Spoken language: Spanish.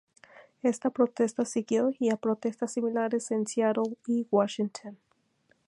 Esta protesta siguió a protestas similares en Seattle y Washington.